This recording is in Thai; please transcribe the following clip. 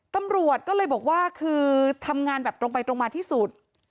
ตำรวจก็เลยบอกว่าคือทำงานแบบตรงไปตรงมาที่สุด